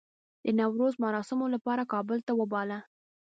د نوروز مراسمو لپاره کابل ته وباله.